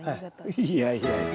いやいやいや。